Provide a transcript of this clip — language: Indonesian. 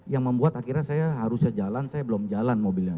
yang membuat akhirnya saya harusnya jalan saya belum jalan mobilnya